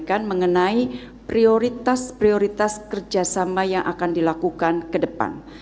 saya ingin menyampaikan mengenai prioritas prioritas kerjasama yang akan dilakukan ke depan